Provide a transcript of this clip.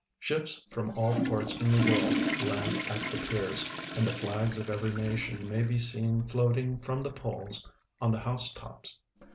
Shii)s from all ports in the world land at the i>iers, and the flags of every nation may he seen floating from the poles on the house tops.